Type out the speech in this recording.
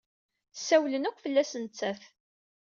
Ssawalen akk fell-as nettat.